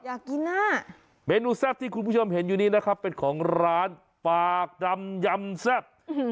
อยากกินน่ะเมนูแซ่บที่คุณผู้ชมเห็นอยู่นี้นะครับเป็นของร้านปากดำยำแซ่บ